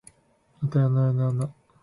はたやなはやはた